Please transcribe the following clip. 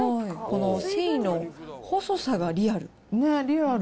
この繊維の細さがリアル。